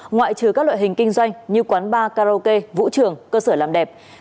ngoại trừ các loại hình kinh doanh như quán bar karaoke vũ trường cơ sở làm đẹp